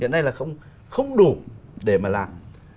hiện nay là không đủ để mà làm